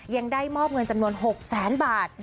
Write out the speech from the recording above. ยังได้มอบเงินจำนวน๖แสนบาท